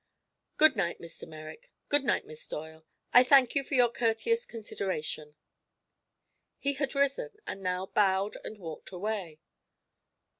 Good night, Mr. Merrick. Good night, Miss Doyle. I thank you for your courteous consideration." He had risen, and now bowed and walked away.